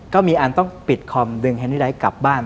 ก็มีอันต้องปิดคอมดึงแฮนนี่ไดท์กลับบ้าน